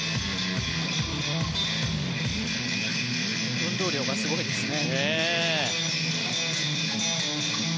運動量がすごいですね。